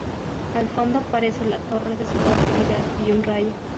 Al fondo aparece la torre de su cautividad y un rayo.